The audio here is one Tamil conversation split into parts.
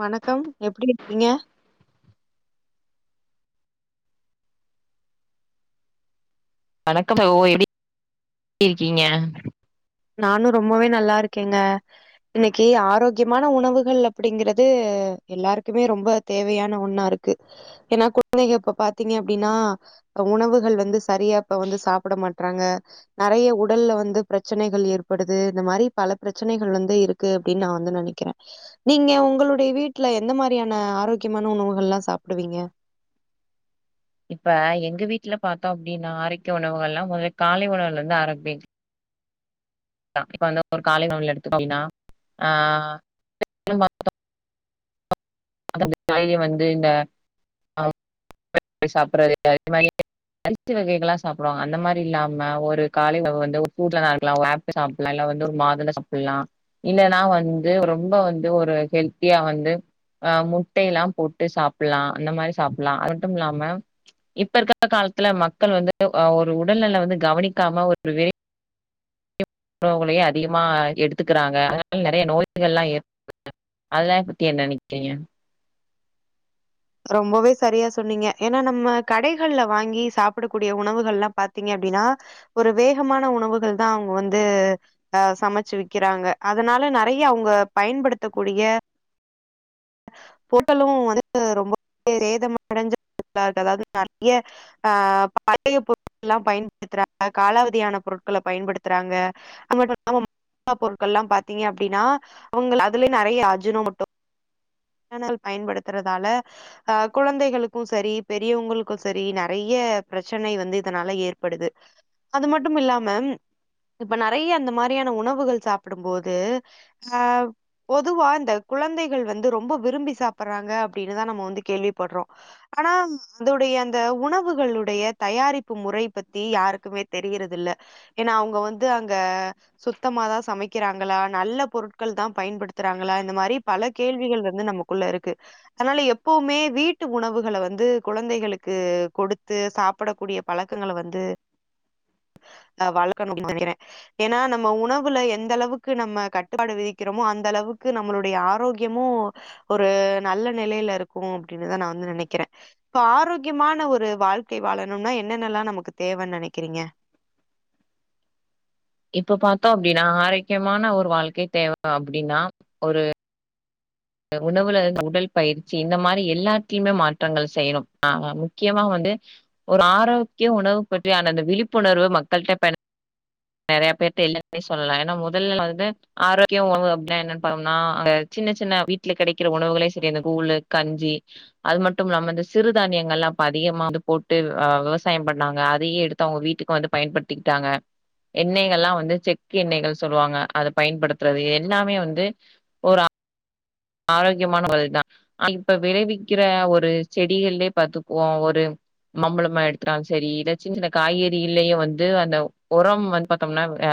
வணக்கம் எப்புடி இருக்கீங்க வணக்கம் தோழி எப்டி இருக்கீங்க நானு ரொம்பவே நல்லா இருக்கேங்க இன்னக்கி ஆரோக்கியமான உணவுகள் அப்புடிங்கிறது எல்லாருக்குமே ரொம்ப தேவையான ஒண்ணா இருக்கு ஏன்னா குழந்தைகள் இப்ப பாத்தீங்க அப்டின்னா அ உணவுகள் வந்து சரியா இப்ப வந்து சாப்புட மாட்றாங்க நறைய உடல்ல வந்து பிரச் ச்சனைகள் ஏற்படுது இந்த மாரி பல பிரச்சனைகள் வந்து இருக்கு அப்புடின்னு நா வந்து நெனைக்கிறே நீங்க உங்களுடைய வீட்ல எந்த மாரியான ஆரோக்கியமான உணவுகள்ல்லா சாப்டுவீங்க இப்ப எங்க வீட்ல பாத்தோம் அப்டின்னா ஆரோக்கிய உணவுகள்ல்லா முதல்ல காலை உணவுலந்து ஆரப்பி ரோ இப்ப வந்து ஒரு காலை உணவுல [unintelligible] அப்டினா ஆ [unintelligible] வந்து இந்த [unintelligible] அரிசி வகைகல்லா சாப்புடுவாங்க அந்த மாரி இல்லாம ஒரு காலை [unintelligible] வந்து [unintelligible] ஒரு அப் ட்ட சாப்புட்லா இல்ல வந்து ஒரு மாதுள சாப்புட்லா இல்லன்னா வந்து ரொம்ப வந்து ஒரு ஹெல்த்தியா வந்து அ முட்டைல்லா போட்டு சாப்புல்லா அந்த மாரி சாப்புல்லா அது மட்டுமில்லாம இப்ப இருக்க காலத்துல மக்கள் வந்துட்டு ஒரு உடல்நல வந்து கவனிக்காம ஒரு வே உணவுகளையே அதிகமா எடுத்துக்குறாங்க அதனால நெறைய நோய்கள்லா ஏற் அதலா பத்தி என்ன நெனக்கிறீங்க ரொம்பவே சரியா சொன்னீங்க ஏன்னா நம்ம கடைகள்ல வாங்கி சாப்படக்கூடிய உணவுகள்லா பாத்தீங்க அப்டின்னா ஒரு வேகமான உணவுகள் தா அவுங்க வந்து அ சமச்சு விக்கிறாங்க அதனால நறைய அவுங்க பயன்படுத்தக்கூடிய ஹோட்டலு வந்து ரொம்ப சேதம் அடஞ்ச [inaudible] அதாவது நறைய அ பழைய பொருட்கள்லா பயன்படுத்துறாங்க காலாவதியான பொருட்கள பயன்படுத்துறாங்க அது மட்டுமில்லாம [inaudible] பாத்தீங்க அப்டின்னா அவுங்ளு அதுலயு நெறைய அஜினோ மோட்டோ வானல் பயன்படுத்துறதால அ கொழந்தைகளுக்கு செரி பெரியவங்களுக்கோ செரி நெறைய பிரச்சனை வந்து இதனால ஏற்படுது அது மட்டும் இல்லாம இப்ப நறைய அந்த மாரியான உணவுகள் சாப்டும்போது அ பொதுவா இந்த கொழந்தைகள் வந்து ரொம் ப விரும்பி சாப்பறாங்க அப்டின்னுதா நம்ம வந்து கேள்விப்பட்றோ ஆனா அதுடைய அந்த உணவுகளுடைய தயாரிப்பு முறை பத்தி யாருக்குமே தெரியறதில்ல ஏன்னா அவுங்க வந்து அங்க சுத்தமாதா சமைக்கிறாங்ளா நல்ல பொருட்கள் தா பயன்படுத்துறாங்ளா இந்த மாரி பல கேள்விகள் வ ந்து நமக்குள்ள இருக்கு அனால எப்போமே வீட்டு உணவுகள வந்து கொழந்தைகளுக்கு குடுத்து சாப்டக்கூடிய பழக்கங்கள வந்து அ வளக்கனோ அப்டின் நெனைக்குற ஏன்னா நம்ம உணவுல எந்த அளவுக்கு நம்ம கட்டுப்பாடு விதிக்கிறோமோ அந்த அளவுக்கு நம்மளுடைய ஆரோக்கியமோ ஒரு நல்ல நிலையில இருக்கு அப்டின்னுதா நா வந்து நெனைக்கிற இப்ப ஆரோக்கியமான ஒரு வாழ்க்கை வாழணும்னா என்னென்னல்லா நமக்கு தேவன் நெனைக்கிறீங்க இப்ப பாத்தோ அப்டின்னா ஆரோக்கியமான ஒரு வாழ்க்கை தேவ அப்டின்னா ஒரு உணவுல உடல் பயிற்சி இந்த மாரி எல்லாத்திமே மாற்றங்கள் செய்யனு அ முக்கியமா வந்து ஒரு ஆரோக்கிய உணவு பற்றி ஆன அந்த விழிப்புணர்வு மக்கள்ட்ட ப நெறைய பேர்ட்ட இல்லன்னே சொல்லலா ஏன்னா முதல்ல வந்து ஆரோக்கிய உணவு அப்டின்னா என்ன [unintelligible] அங்க சின்ன சின்ன வீ ட்ல கெடைக்கிற உணவுகளே செரி அந்த கூழு கஞ்சி அது மட்டும் இல்லாம இந்த சிறுதானியங்கள்லா இப்ப அதிகமா வந்து போட்டு அ விவசாயம் பண்ணாங்க அதையே எடுத் து அவங்க வீட்டுக்கு வந்து பயன்படுத்திக்கிட்டாங்க எண்ணெய்கள்லா வந்து செக்கு எண்ணெய்கள் சொல்லுவாங்க அத பயன்படுத்துறது எல்லாமே வந்து ஒரு ஆ ரோக்கியமான வழ் தா இப்ப விளைவிக்கிற ஒரு செடிகள்லே பாத்துக்வோ ஒரு மாம்பழமா எடுத்துட்டாலு செரி இல்ல சின்ன சின்ன காய்கறிகில்லியு வந்து அந்த ஒரம் வந்து பாத்தோம்னா அ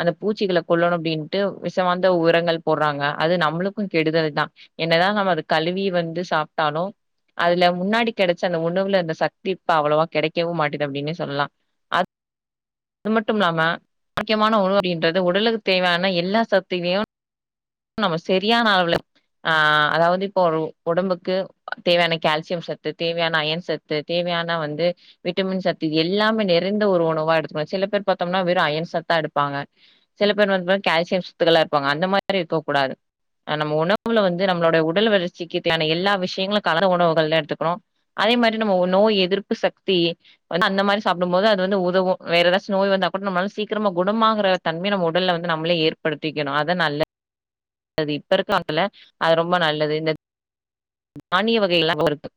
அந்த பூச்சிகள கொல்லனோ அப்டின்ட்டு விச வாந்த ஒரங்கள் போர்றாங்க அது நம்ளு க்கு கெடுதல் தா என்ன தா நம்ம அது கழுவி வந்து சாப்ட்டாலு அதுல முன்னாடி கெடச்ச அந்த உணவுல அந்த சத்து இப்ப அவ்ளவா கெடைக்கவு மாட்டுது அப்டின்னே சொல்லா அ து மட்டும் இல்லாம முக்கியமான உணவு அப்டின்றது உடலுக்கு தேவையான எல்லா சத்துலியு நம்ம செரியான அளவுல அ அதாவது இப்போ ஒரு உடம்புக்கு தேவையான கால்சியம் சத்து தேவையான அயன் சத் து தேவையான வந்து விட்டமின் சத்து இது எல்லாமே நிறைந்த ஒரு உணவா எடுக்கனோ சில பேர் பாத்தோம்னா வெறு அயன் சத்தா எடுப்பாங்க சில பேர் வந்து பாத் கால்சியம் சத்துக்களா இருப்பாங்க அந்த மாரி இருக்கக் கூடாது அ நம்ம உணவுல வந்து நம்ளோட உடல் வளர்ச்சிக்கு தேவையான எல்லா விஷியங்களு கலந்து உணவுகள் எடுத்துக்குனு அதே மாரி நம்ம நோய் எதிர்ப்பு சக்தி வந்து அந்த மாரி சாப்பிடு போது அது வந்து உதவு வேற எதாச்சு நோய் வந்தா கூட நம்மல சீக்கிரமா குணமாங்குற தன்மைய நம்ம உடல்ல வந்து நம்மளே ஏற்படுத்திக்குணு அதா நல்ல து அது இப்ப இருக்காங்கள அது ரொம்ப நல்லது இந்த தானிய வகை எல்லா [unintelligible]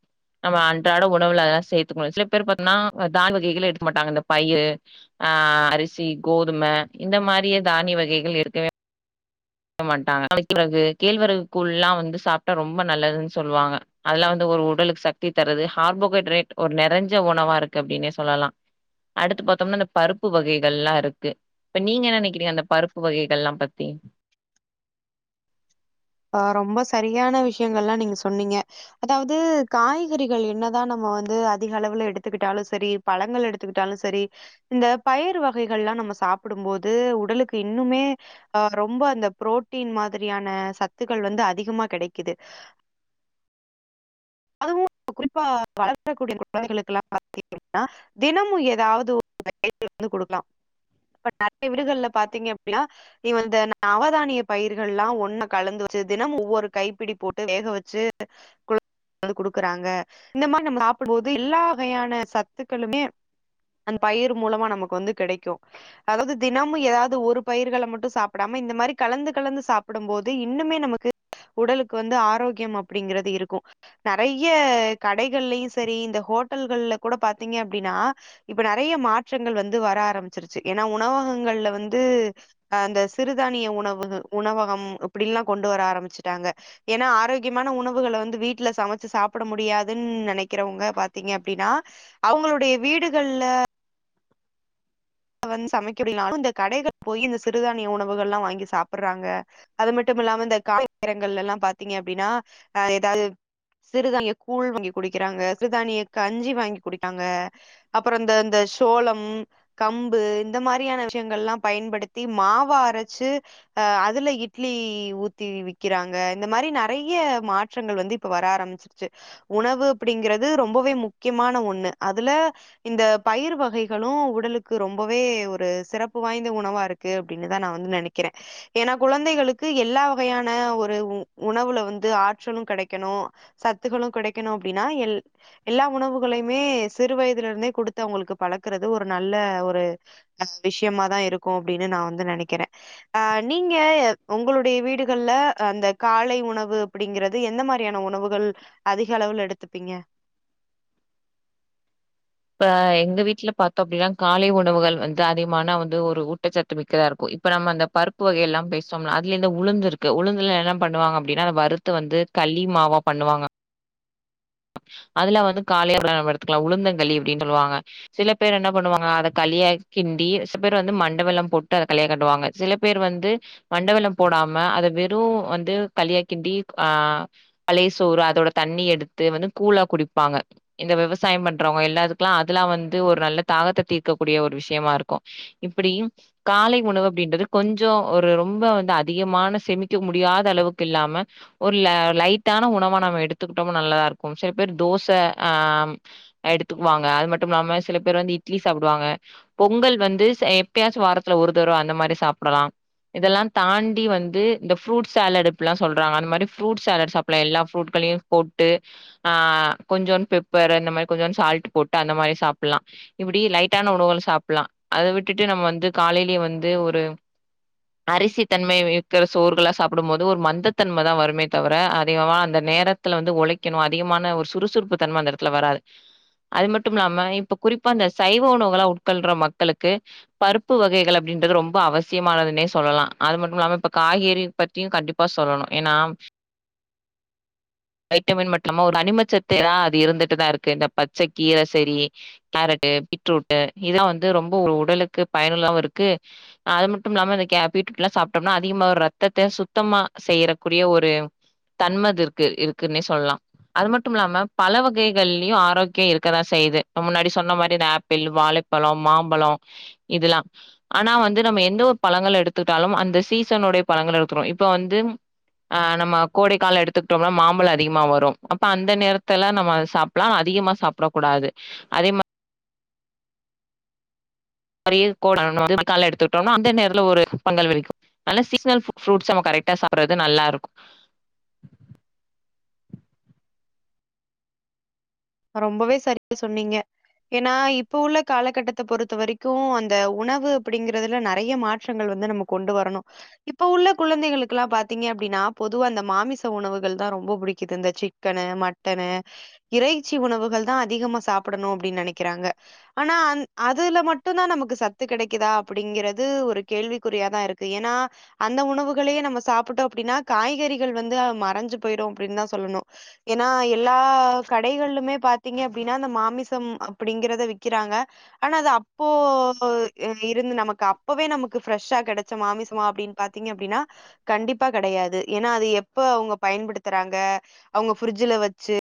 நம்ம அன்றாட உணவுல அதெல்லா சேத்துக்குணு சில பேர் பாத்தினா தான்வகைகளை எடுக்க மாட்டாங்க இந்த பயிர் ஆ அரிசி கோதும இந்த மாரியே தானிய வகைகள் இடுக்கவே மாட்டாங்க கேழ்வரகு கூழ்ல்லா வந்து சாப்ட்டா ரொம்ப நல்லதுன்னு சொல்லுவாங்க அதுல வந்து ஒரு உடலுக்கு சக்தி தருவது ஹார்போஹைட்ரேட் ஒரு நிறைஞ்ச உணவா இருக்கு அப்டின்னே சொல்லலா அடுத்து பாத்தோம்னா இந்த பருப்பு வகைகளெல்லா இருக்கு இப்ப நீங்க என்ன நெனைக்கிறீங்க அந்த பருப்பு வகைகள் எல்லா பத்தி ஆ ரொம்ப சரியான விஷியங்கள்ல்லா நீங்க சொன்னீங்க அதாவுது காய்கறிகள் என்னதா நம்ம வந்து அதிக அளவுல எடுத்துக்கிட்டாலு சரி பழங்கள் எடுத்துக்கிட்டாலு சரி இந்த பயிர் வகைகள் எல்லா நம்ம சாப்பிடு போது உடலுக்கு இன்னுமே அ ரொம்ப அந்த பு்ரோட்டீன் மாதிரியான சத்துக்கள் வந்து அதிகமா கெடைக்குது அதுவு குறிப்பா வளர்க்கக்கூடிய குழந்தைகளுக்கெல்லா பாத்தீங்கன்னா தினமு ஏதாவுது ஒரு [unintelligible] குடுக்கனு இப்ப நெறைய வீடுகள்ல பாத்தீங்க அப்டினா இந்த நவதானிய பயிர்கள் எல்லா ஒண்ணு கலந்து வச்சி தினமு ஒவ்வொரு கைப்பிடி போட்டு வேக வச் சி அது குடுக்குறாங்க இந்த மாதிரி நம்ம சாப்பிடு போது எல்லா வகையான சத்துக்களுமே அந்த பயிர் மூலமா நமக்கு வந்து கெடைக்கு அதாவுது தினமு ஏதாவுது ஒரு பயிர்கள மட்டு சாப்பிடாம இந்த மாரி கலந்து கலந்து சாப் டும்போது இன்னுமே நமக்கு உடலுக்கு வந்து ஆரோக்கிய அப்டிங்கிறது இருக்கு நெறைய கடைகள்லையு சரி இந்த ஹோட்டல்கள்ல கூட பாத்தீங்க அப்டின்னா இப்ப நெறைய மாற்றங்கள் வந்து வர ஆரம்பிச்சிருச்சு ஏனா உணவகங்கள்ல வந்து அ இந்த சிறுதானிய உணவு உணவகம் இப்டி எல்லா கொண்டு வர ஆரம்பிச்சுட்டாங்க ஏனா ஆரோக்கியமான உணவுகள வந்து வீட் வீட்ல சமைச்சு சாப்ட முடியாதுன்னு நெனைக்கிறவங்க பாத்தீங்க அப்டின்னா அவுங்களுடைய வீடுகள்ல வந்து சமைக்க முடியலானு இந்த கடைகள் போய் இந்த சிறுதானிய உணவுகள் எல்லா வாங்கி சாப்பிற்றாங்க அது மட்டு இல்லாம இந்த காலை நேரங்கள்ல எல்லா பாத்தீங்கனா அப்டின்னா அ எதாவுது சிறுதானிய கூழ் வாங்கி குடிக்கிறாங்க சிறுதானிய கஞ்சி வாங்கி குடிப்பாங்க அப்றோ இந்த இந்த சோளம் கம்பு இந்த மாதிரியான விஷியங்கள் எல்லா பயன்படுத்தி மாவா அரச்சு அ அதுல இட்லி ஊத்தி விக்கிறாங்க இந்த மாதிரி நெறைய மாற்றங்கள் வந்து இப்ப வர ஆரமிச் உணவு அப்டிங்கறது ரொம்பவே முக்கியமான ஒண்ணு அதுல இந்த பயிர் வகைகளு உடலுக் ரொம்பவே ஒரு சிறப்பு வாய்ந்த உணவா இருக்கு அப்டின்னுதா நா வந்து நெனைக்கிற ஏனா குழந்தைகளுக்கு எல்லா வகையான ஒரு உணவுல வந்து ஆற்றலு கெடைக்கணு சத்துக்களு கெடைக்குணு அப்டின்னா எல் எல்லா உணவுகளையுமே சிறு வயதுல இருந்தே குடுத்து அவுங்களுக்கு பழக்குறது ஒரு நல்ல நல்ல ஒரு அ விஷயமாதா இருக்கு அப்டின்னு நா வந்து நினைக்கிற அ நீங்க உங்களுடைய வீடுகள்ல அந்த காலே உணவு அப்டிங்கறது எந்த மாரியான உணவுகள் அதிக அளவுல எடுத்துப்பீங்க இப்ப எங்க வீட்ல பாத்தோ அப்டின்னா காலே உணவுகள் வந்து அதிகமான வந்து ஒரு ஊட்டச்சத்து மிக்கதாக இருக்கு இப்ப நம்ம அந்த பருப்பு வகைகள் எல்லா பேசல உளுந்து இருக்கு உளுந்துல என்ன பண்ணுவாங்க அப்டின்னா வருத்து வருது வந்து களி மாவா பண்ணுவாங்க அதுல வந்து காலிய அப்ப நம்ம எடுத்துக்கலா உளுந்தங்கலி அப்டின்னு சொல்லுவாங்க சில பேர் என்ன பண்ணுவாங்க அத கலியா கிண்டி சில பேர் வந்து மண்ட வெல்லம் போட்டு அத கலிய கிட்டுவாங்க சில பேர் வந்து மண்டவெலம் போடாம அத வெறு வந்து கலியா கிண்டி ஆ பழைய சோறு அதோட தண்ணி எடுத்து வந்து கூழா குடிப்பாங்க இந்த விவசாய பண்றவங்க எல்லாத்துக்கெல்லா அதெல்லா வந்து ஒரு நல்ல தாகத்தை தீர்க்க கூடிய ஒரு விஷயமா இருக்கு இப்பிடியு காலே உணவு அப்டின்றது கொஞ்சோ ஒரு ரொம்ப வந்து அதிகமான செமிக்க முடியாத அளவுக்கு இல்லாம ஓரு லைட்டான உணவா நம்ம எடுத்துக்கிட்டோமோ நல்ல இருக்கு சில பேர் தோசை ஆ எடுத்துக்குவாங்க அது மட்டு இல்லாம சில பேர் வந்து இட்லி சாப்பிடுவாங்க பொங்கல் வந்து எப்பயாச்சு வாரத்துல ஒருதரவா அந்த மாரி சாப்பிடலா இதெல்லா தாண்டி வந்த ஃப்ரூட் சேலட்டு இபிலாசொலறாங்க அந்த மாரி ஃப்ரூட் சேலட் சப்லா எல்லா ஃப்ரூட்களையு போட்டு ஆ கொஞ்சோ பெப்பர் அந்த மாரி கொஞ்சோ சால்ட் போட்டு அந்த மாரி சாப்படலா இப்படி லைட்டான உணவுகள் சாப்படலா அத விட்டுட்டு நம்ம வந்து காலேயிலயே வந்து ஒரு அரிசி தன்மை வக்கிற சோறுர்களா சாப்பிடுபோது ஒரு மந்தத்தன்மா தா வருமே தவிர அதிகமா அந்த நேர த்துல வந்து உழைக்கணு அதிகமான ஒரு சுறுசுறுப்பு தன்மை அந்த இடத்துல வராது அது மட்டு இல்லாம இப்ப குறிப்பா அந்த சைவ உணவுலா உட்கொள்ற மக்களுக்கு பருப்பு வகைகள் அப்டின்றது ரொம்ப அவசியமானதுனே சொல்லலா அது மட்டு இல்லாம இப்ப காய்கறி ப பத்தியு கண்டிப்பா சொல்லணு ஏனா வைட்டமின் மட்டுமா ஒரு அனிமச்சத்தைதா அது இருந்துட்டுதா இருக்கு இந்த பச்சை கீரா சேரி கேரட்டு பீட்ரூட்டு் இதாலா வந்து ரொம்ப ஒரு உடலுக்கு பயனுல்லாம இருக்கு அது மட்டு இல்லாம அந்த க பீட்ரூட் எல்லா சாப்பிட்டோம்னா அதிகமா ஒரு ரத்தத்தை சுத்தமா செய்யறக்கூடிய ஒரு தன்மது இருக்கு இருக்குன்னே சொல்லலா அது மட்டு இல்லாம பல வகைகள்லயு ஆரோக்கிய இருக்கதா செய்யுது முன்னாடி சொன்ன மாரி இந்த ஆப் ல் வாழைப்பழ மாம்பழ இதெல்லா ஆனா வந்து நம்ம எந்த ஒரு பழங்கள் எடுத்துட்டாலு அந்த சீசனுடைய பழங்கள் எடுத்துறோ இப்ப வந்து ஆ நம்ம கோடிக்கால எடுத்துக்கிட்டோம்னா மாம்ப மாம்பழ அதிகமா வரும் அப்ப அந்த நேரத்து நம்ம சாப்லா அதிகமா சாப்பிடக்கூடாது அதே மாரி கோட கால எடுத்துக்கிட்டோனா அந்த நேரல ஒரு பங்கல் விக்கு ஆனா சீனல் ஃப்ருட்ஸ் நம கரெக்டா சாப்பிறது நல்லாருக்கு ரொம்பவே சேரியா சொன்னீங்க ஏனா இப்போ உள்ள காலகட்டத்தை பொறுத்த வரைக்கு அந்த உணவு அப்டிங்கறதுல நேறாய மாற்றங்கள் வந்து நமக்கு கொண்டு வரணு இப்ப உள்ள குழந்தைகளுக்கேல்லா பாத்தீங்க அப்டின்னா பொதுவா அந்த மாமிச உணவுக தா ரொம்ப பிடிக்குது இந்த சிக்க சிக்கனு மட்டனு இறைச்சி உணவுகள் தா அதிகமா சாப்படணு அப்டின்னு நேனைக்கிறாங்க ஆனா அ அதுல மட்டு தானா நமக்கு சத்து கிடைக்குதா அப்டிங்கிறது ஒரு கேள்விக்குறியாத இருக்கு ஏனா அந்த உணவுகளையே நம்ம சாப்பிட்டோ அப்டின்னா காய்கறிகள் வந்து மறைஞ்சு போயிடு அப்டின்னுதா சொல்லணு ஏனா எல்லா கட கடகள்ளுமே பாத்தீங்க அப்டின்னா அந்த மாமிச அப்டிங்கிறத விக்கிறாங்க ஆனா அது அப்போ இருந்து நமக்கு அப்பாவே நமக்கு ஃப்ரெஷ்ஷா கிடைச்ச மாமிசமா அப்டின்னு பாத்தீங்க அப்டின்னா கண்டிப்பா கிடையாது ஏனா அது எப்ப அவங்க பயன்படுத்துறாங்க அவங்க பிரிட்ஜில வச்சி